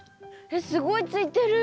えっすごいついてる。